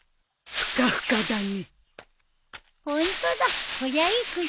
ふかふかだよね。